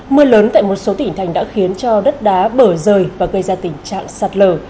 mưa lớn tại một số tỉnh thành đã khiến cho đất đá bở rời và gây ra tình trạng sạt lở